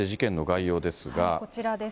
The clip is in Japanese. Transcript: こちらです。